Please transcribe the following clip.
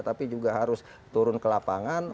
tapi juga harus turun ke lapangan